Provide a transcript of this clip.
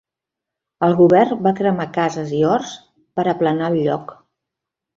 El govern va cremar cases i horts per aplanar el lloc.